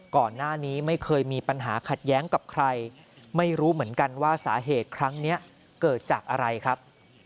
ก่อนหน้านี้ไม่เคยมีปัญหาขัดแย้งกับใครไม่รู้เหมือนกันว่าสาเหตุครั้งนี้เกิดจากอะไรครับ